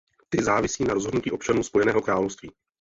Ty závisí na rozhodnutí občanů Spojeného království.